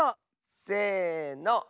せの。